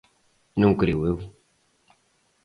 Non creo eu.